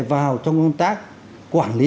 vào trong công tác quản lý